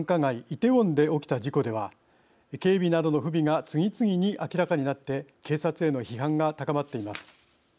イテウォンで起きた事故では警備などの不備が次々に明らかになって警察への批判が高まっています。